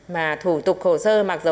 mà thủ tục khổ sơ mặc dù